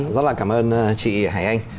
rất là cảm ơn chị hải anh